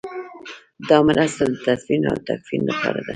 دا مرسته د تدفین او تکفین لپاره ده.